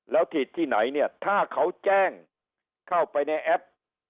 แล้วที่ไหนถ้าเขาแจ้งเข้าไปในแอป